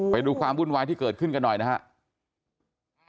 ไปดูความวุ่นวายที่เกิดขึ้นกันหน่อยนะครับ